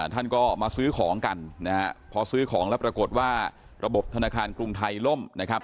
ท่านก็มาซื้อของกันนะฮะพอซื้อของแล้วปรากฏว่าระบบธนาคารกรุงไทยล่มนะครับ